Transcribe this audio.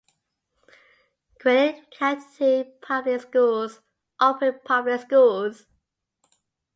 Gwinnett County Public Schools operates public schools.